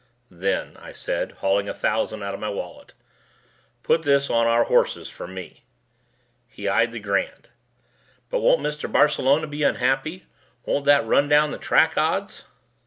"Then," I said hauling a thousand out of my wallet, "Put this on our horses for me." He eyed the grand. "But won't Mr. Barcelona be unhappy? Won't that run down the track odds?"